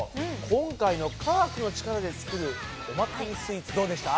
今回の科学の力で作るお祭りスイーツどうでした？